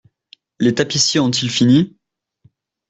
Les tapissiers ont-ils fini ?…